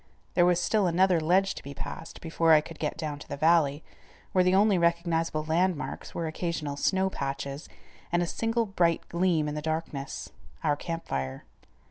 There was still another ledge to be passed before I could get down to the valley, where the only recognizable landmarks were occasional snow patches, and a single bright gleam in the darkness—our camp fire.